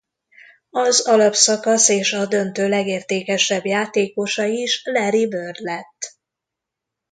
Az alapszakasz és a döntő legértékesebb játékosa is Larry Bird lett.